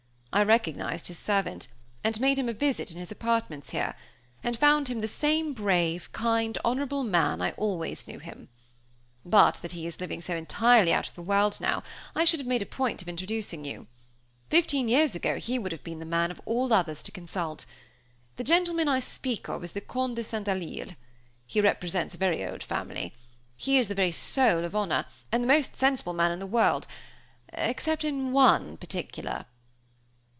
I recognized his servant, and made him a visit in his apartments here, and found him the same brave, kind, honorable man I always knew him. But that he is living so entirely out of the world, now, I should have made a point of introducing you. Fifteen years ago he would have been the man of all others to consult. The gentleman I speak of is the Comte de St. Alyre. He represents a very old family. He is the very soul of honor, and the most sensible man in the world, except in one particular."